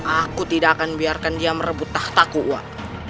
aku tidak akan biarkan dia merebut tahtaku uak